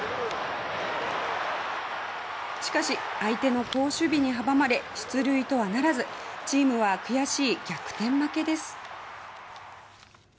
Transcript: しかし、相手の好守備に阻まれ勝利はならずチームは悔しい逆転負けです。